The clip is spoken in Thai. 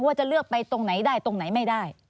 ว่าจะเลือกไปตรงไหนได้ตรงไหนไม่ได้